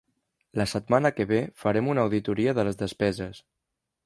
La setmana que ve farem una auditoria de les despeses.